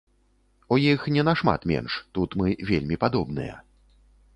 У іх не нашмат менш, тут мы вельмі падобныя.